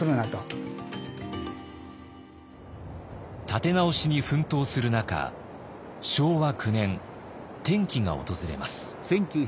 立て直しに奮闘する中昭和９年転機が訪れます。